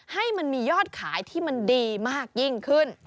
ให้มันมียอดขายที่มันดีมากยิ่งขึ้น